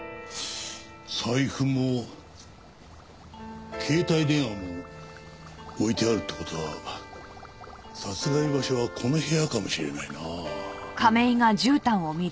財布も携帯電話も置いてあるって事は殺害場所はこの部屋かもしれないな。